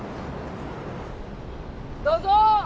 どうぞ。